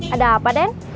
ada apa den